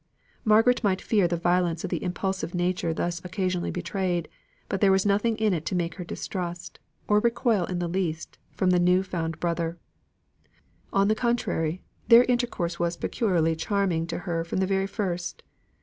Margaret might fear the violence of the impulsive nature thus occasionally betrayed, but there was nothing in it to make her distrust, or recoil in the least, from the new found brother. On the contrary, all their intercourse was peculiarly charming to her from the very first.